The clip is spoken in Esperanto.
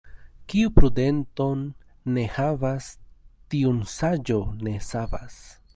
Kiu prudenton ne havas, tiun saĝo ne savas.